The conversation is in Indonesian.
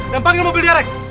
dan panggil mobil direct